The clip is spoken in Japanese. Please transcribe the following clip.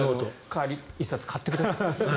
帰りに１冊買ってください。